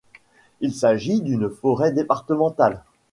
Il s'agit d'une forêt départementale.